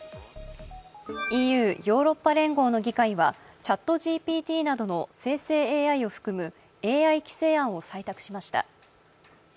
ＥＵ＝ヨーロッパ連合の議会はＣｈａｔＧＰＴなどの生成ＡＩを含むＡＩ規制案を採択しました。